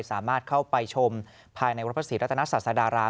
สามารถเข้าไปชมภายในวรรภาษีรัฐนักศาสตร์สาดาราม